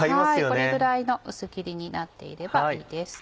これぐらいの薄切りになっていればいいです。